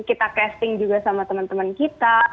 kita casting juga sama teman teman kita